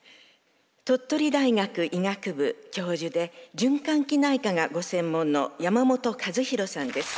鳥取大学医学部教授で循環器内科がご専門の山本一博さんです。